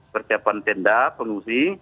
persiapan tenda pengungsi